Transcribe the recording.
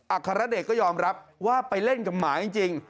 อาคารรเดชก็ยอมรับว่าไปเล่นกับหมาจริง